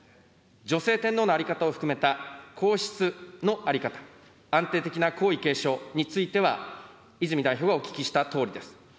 女性天皇の在り方を含めた皇室の在り方、安定的な皇位継承については泉代表がお聞きしたとおりです。